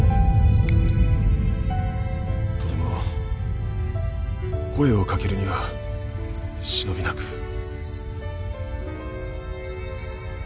とても声をかけるには忍びなく。